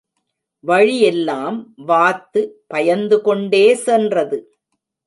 வழியெல்லாம் வாத்து பயந்துகொண்டே சென்றது.